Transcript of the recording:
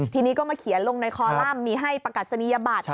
ทีนี้ก็มาเขียนลงในคอลัมป์มีให้ประกัศนียบัตร